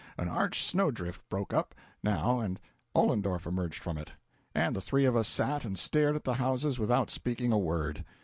An arched snow drift broke up, now, and Ollendorff emerged from it, and the three of us sat and stared at the houses without speaking a word.